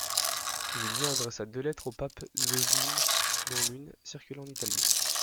Julien adressa deux lettres au pape Zosime, dont l'une circula en Italie.